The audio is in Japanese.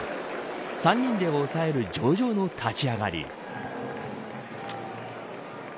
３人で抑える上々の立ち上がり。